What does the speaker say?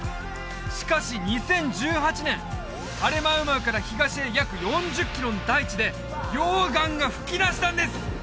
しかし２０１８年ハレマウマウから東へ約４０キロの大地で溶岩が噴き出したんです！